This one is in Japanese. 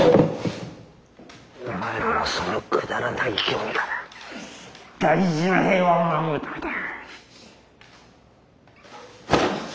お前らのそのくだらない興味から大事な平和を守るためだ。